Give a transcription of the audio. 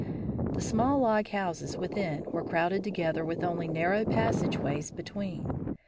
The small log houses within were crowded together with only narrow passage ways between.